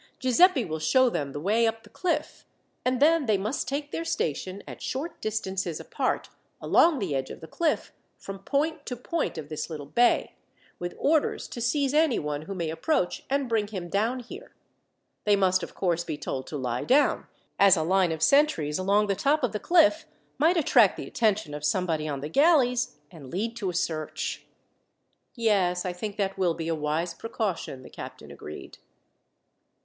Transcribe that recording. Giuseppi will show them the way up the cliff, and then they must take their station, at short distances apart, along the edge of the cliff, from point to point of this little bay, with orders to seize any one who may approach and bring him down here. They must, of course, be told to lie down, as a line of sentries along the top of the cliff might attract the attention of somebody on the galleys, and lead to a search." "Yes, I think that will be a wise precaution," the captain agreed.